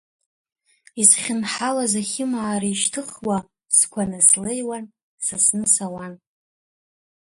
Исхьынҳалаз ахьымаара ишьҭыхуа, сқәаны слеиуан, сысны сауан.